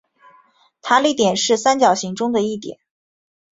塔里点是三角形中的一点。